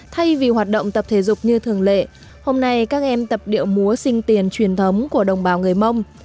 thay vì hoạt động tập thể dục như thường lệ hôm nay các em tập điệu múa sinh tiền truyền thống của đồng bào người mông